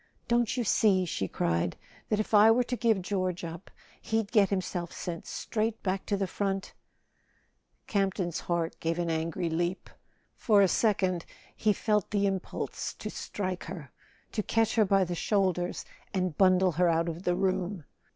"Don't you see," she cried, "that if I were to give George up he'd get himself sent straight back to the front ?" Campton's heart gave an angry leap; for a second he felt the impulse to strike her, to catch her by the shoulders and bundle her out of the room.